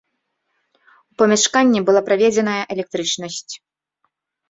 У памяшканне была праведзеная электрычнасць.